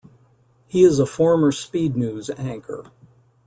He is a former "SpeedNews" anchor.